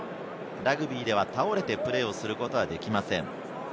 ラグビーでは倒れてプレーすることはできません。